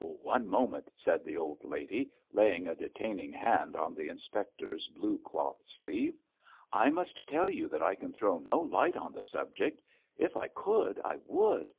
'One moment,' said the old lady, laying a detaining hand on the inspector's blue cloth sleeve. 'I must tell you that I can throw no light on the subject; if I could I would.